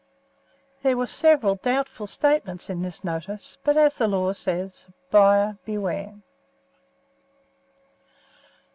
There were several doubtful statements in this notice, but, as the law says, "Buyer, beware."